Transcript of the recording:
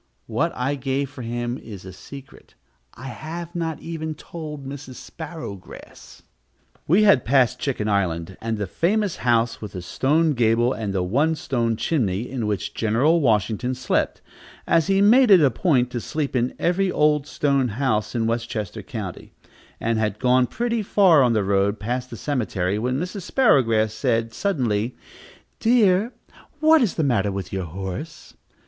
What I gave for him is a secret; I have not even told Mrs. Sparrowgrass.... We had passed Chicken Island, and the famous house with the stone gable and the one stone chimney, in which General Washington slept, as he made it a point to sleep in every old stone house in Westchester County, and had gone pretty far on the road, past the cemetery, when Mrs. Sparrowgrass said suddenly, "Dear, what is the matter with your horse?"